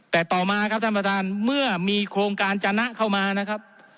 แต่ต่อมาครับท่านประธานเมื่อมีโครงการจนะเข้ามานะครับ